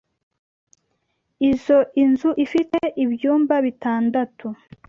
Izoi nzu ifite ibyumba bitandatu.